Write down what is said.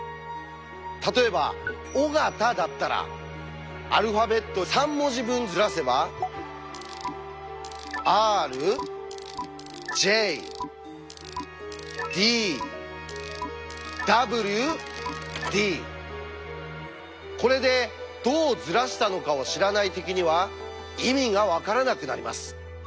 例えば「ＯＧＡＴＡ」だったらアルファベット３文字分ずらせばこれでどうずらしたのかを知らない敵には意味がわからなくなります。